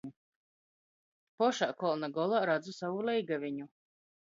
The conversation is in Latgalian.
Pošā kolna golā radzu sovu leigaveņu